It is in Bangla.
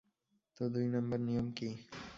তো, দুই নাম্বার নিয়ম কী?